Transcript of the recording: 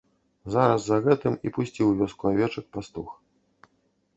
Зараз за гэтым і пусціў у вёску авечак пастух.